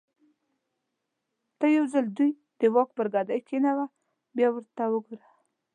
ته یو ځل دوی د واک پر ګدۍ کېنوه بیا ورته وګوره.